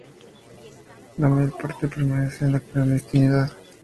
La mayor parte permanece en la clandestinidad.